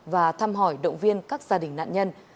và thăm hỏi động viên các gia đình nạn nhân